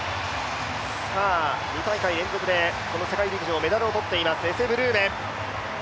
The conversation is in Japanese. ２大会連続でこの世界陸上、メダルを取っています、エセ・ブルーメ。